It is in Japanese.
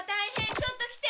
ちょっと来て！